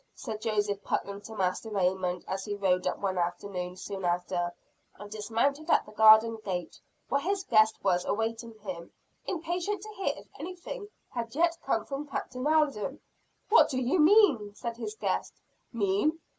said Joseph Putnam to Master Raymond as he rode up one afternoon soon after, and dismounted at the garden gate, where his guest was awaiting him, impatient to hear if anything had yet come from Captain Alden. "What do you mean?" said his guest. "Mean?